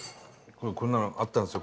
こんなのあったんですよ。